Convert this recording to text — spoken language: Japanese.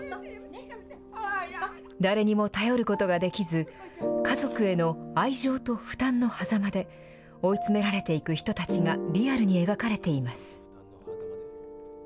誰にも頼ることができず家族への愛情と負担のはざまで追い詰められていく人たちがリアルに描かれています。